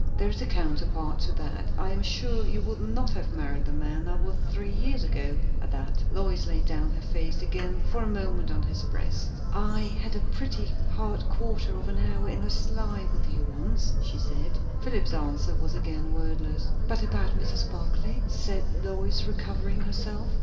"There is a counterpart to that. I am sure you would not have married the man I was three years ago." At that Lois laid down her face again for a moment on his breast. "I had a pretty hard quarter of an hour in a sleigh with you once!" she said. Philip's answer was again wordless. "But about Mrs. Barclay?" said Lois, recovering herself.